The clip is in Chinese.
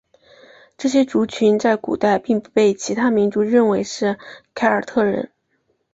这些族群在古代并不被其他民族认为是凯尔特人。